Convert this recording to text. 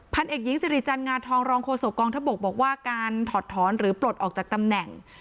เอกหญิงสิริจันทร์งาทองรองโฆษกองทบกบอกว่าการถอดถอนหรือปลดออกจากตำแหน่ง